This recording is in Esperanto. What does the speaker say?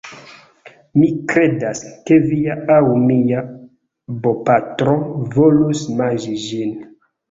Mi kredas, ke via... aŭ mia bopatro volus manĝi ĝin.